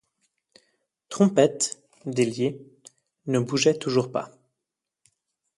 Trompette, délié, ne bougeait toujours pas.